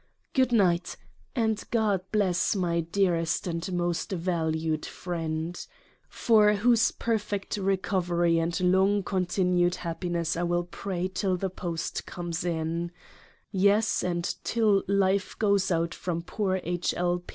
Good Night! and God bless my dearest and most valued Friend ! for whose perfect Recovery and long continued Happiness I will pray till the Post comes in :— Yes ; and till Life goes out from poor H. L.